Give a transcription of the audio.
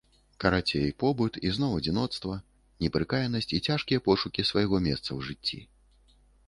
Карацей, побыт і зноў адзіноцтва, непрыкаянасць і цяжкія пошукі свайго месца ў жыцці.